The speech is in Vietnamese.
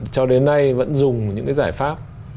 cho đến nay vẫn dùng những cái giải pháp